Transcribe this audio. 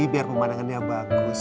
biar pemandangannya bagus